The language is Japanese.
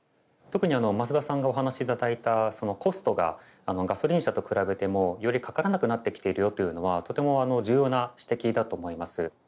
特に増田さんがお話し頂いたコストがガソリン車と比べてもよりかからなくなってきているよというのはとても重要な指摘だと思います。